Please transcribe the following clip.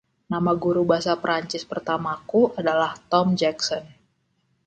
Nama guru bahasa Prancis pertamaku adalah Tom Jackson.